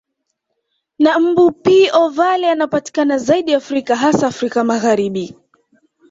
Na mbu P ovale anapatikana zaidi Afrika hasa Afrika Magharibi